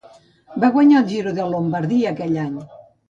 Va guanyar el Giro de Lombardia aquell any.